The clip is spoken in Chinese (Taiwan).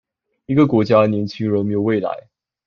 一個國家的年輕人沒有未來